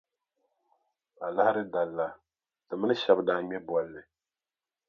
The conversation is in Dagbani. Alahiri dali la, ti mini shɛba daa ŋme bolli.